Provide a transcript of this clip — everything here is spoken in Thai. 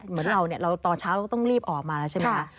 เหมือนเราตอนเช้าต้องรีบออกมาแล้วใช่ไหม